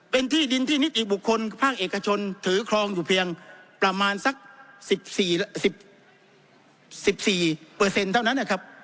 เป็นที่ดินที่นิติบุคคลภาคเอกชนถือครองอยู่เพียงประมาณสัก๑๔เท่านั้นนะครับ